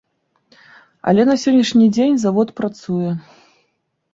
Але на сённяшні дзень завод працуе.